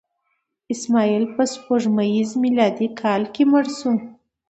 اسماعیل په سپوږمیز میلادي کال کې مړ شو.